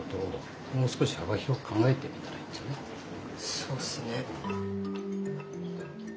そうっすね。